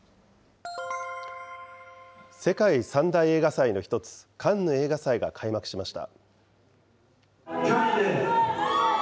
世界３大映画祭の１つ、カンヌ映画祭が開催しました。